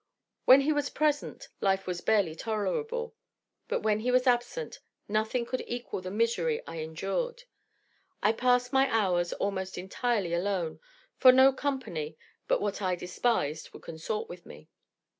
When he was present, life was barely tolerable: but, when he was absent, nothing could equal the misery I endured. I past my hours almost entirely alone; for no company but what I despised, would consort with me.